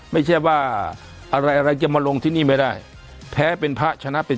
ไม่ใช่ว่าอะไรอะไรจะมาลงที่นี่ไม่ได้แพ้เป็นพระชนะเป็น